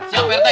siap pak rt